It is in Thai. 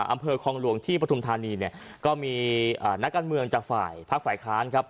อำเภอคลองหลวงที่ปฐุมธานีเนี่ยก็มีนักการเมืองจากฝ่ายภาคฝ่ายค้านครับ